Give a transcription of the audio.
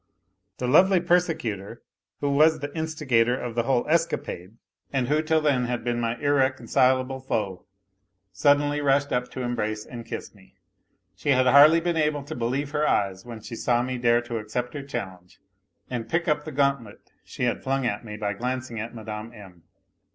The lovely persecutor who was the instigator of the whole escapade, and who till then had In en my irreconcileable foe, suddenly rushed up to embrace and kiss me. She had hardly been able to believe her ey< s when she saw me dare to accept her challenge, and pick up the gauntlet she had flung at me by glancing at Mme. M.